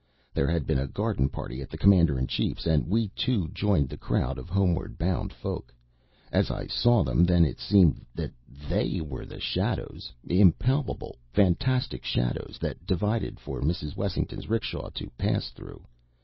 There had been a garden party at the Commander in Chief's, and we two joined the crowd of homeward bound folk. As I saw them then it seemed that they were the shadows impalpable, fantastic shadows that divided for Mrs. Wessington's 'rickshaw to pass through.